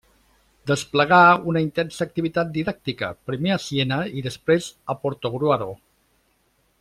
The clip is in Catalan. Desplegà una intensa activitat didàctica, primer a Siena i després a Portogruaro.